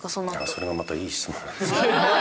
それはまたいい質問ですね。